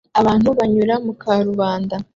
Abantu banyura mu karubanda